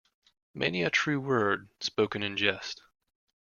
Many a true word spoken in jest.